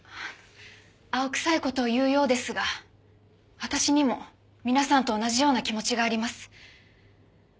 青臭い事を言うようですが私にも皆さんと同じような気持ちがあります。